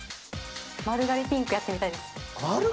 丸刈りピンクやってみたいです。